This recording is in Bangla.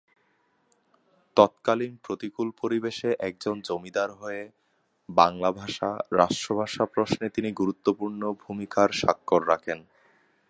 তৎকালীন প্রতিকূল পরিবেশে একজন জমিদার হয়ে বাংলা ভাষা রাষ্ট্রভাষা প্রশ্নে তিনি গুরুত্বপূর্ণ ভূমিকার স্বাক্ষর রাখেন।